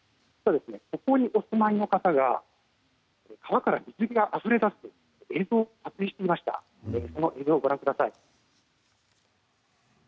ここにお住まいの方が川から水があふれ出す映像を撮影していました、ご覧ください。